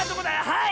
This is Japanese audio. ⁉はい！